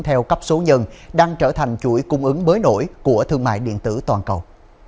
theo cấp số nhân đang trở thành chuỗi cung ứng mới nổi của thương mại điện tử toàn cầu